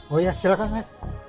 oh ya silahkan mas